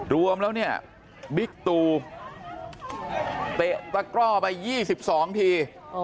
รวมแล้วเนี่ยบิ๊กตูเตะตะกร่อไป๒๒ที